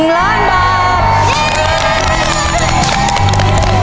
๑ล้านบาท